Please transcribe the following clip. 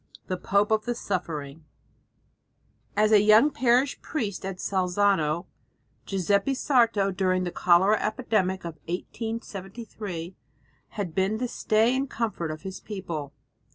XI THE POPE OF THE SUFFERING As a young parish priest at Salzano, Giuseppe Sarto during the cholera epidemic of 1873 had been the stay and comfort of his people.